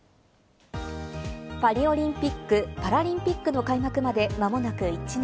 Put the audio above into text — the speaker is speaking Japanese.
パリオリンピック・パラリンピックの開幕まで間もなく１年。